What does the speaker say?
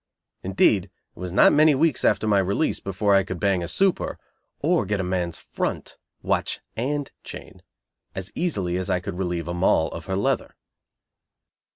Indeed, it was not many weeks after my release before I could "bang a super," or get a man's "front" (watch and chain) as easily as I could relieve a Moll of her "leather".